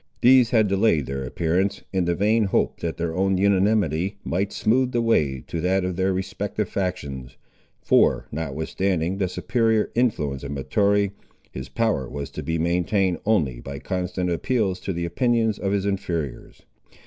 These had delayed their appearance, in the vain hope that their own unanimity might smooth the way to that of their respective factions; for, notwithstanding the superior influence of Mahtoree, his power was to be maintained only by constant appeals to the opinions of his inferiors.